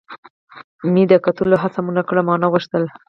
مې د کتلو هڅه هم و نه کړل، ما نه غوښتل.